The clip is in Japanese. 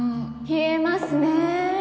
冷えますね